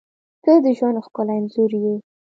• ته د ژوند ښکلی انځور یې.